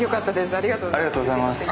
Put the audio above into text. ありがとうございます。